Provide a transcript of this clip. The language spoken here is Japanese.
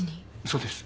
そうです。